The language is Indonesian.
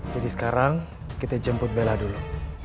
jadi sekarang kita jemput bella dulu